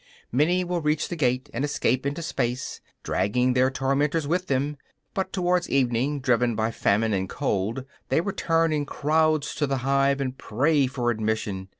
Many will reach the gate, and escape into space, dragging their tormentors with them; but, towards evening, driven by famine and cold, they return in crowds to the hive and pray for admission.